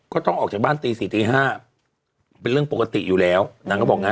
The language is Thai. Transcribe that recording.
ออกจากบ้านตีสี่ตีห้าเป็นเรื่องปกติอยู่แล้วนางก็บอกนะ